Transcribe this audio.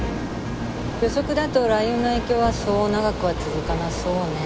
予測だと雷雲の影響はそう長くは続かなそうね。